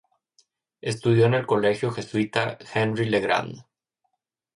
Estudió en el colegio jesuita Henry Le Grand.